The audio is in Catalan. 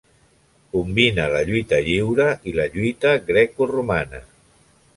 Combinà la lluita lliure i la lluita grecoromana.